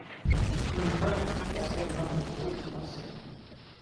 Но Михайлов оставался одинаково холоден ко всем.